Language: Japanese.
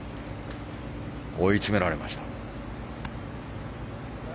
追い詰められました。